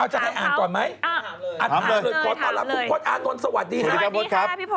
อ้าวจะให้อ่านก่อนไหมพอตลับคุณพอทอ้านน้นสวัสดีค่ะพี่พอทสวัสดีค่ะ